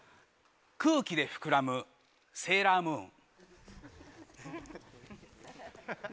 空気で膨らむセーラームーン。